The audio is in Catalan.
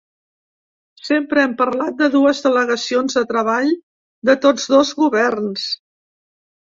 Sempre hem parlat de dues delegacions de treball de tots dos governs.